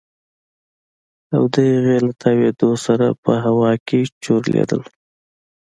او د هغې له تاوېدو سره په هوا کښې چورلېدل.